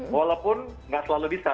walaupun gak selalu bisa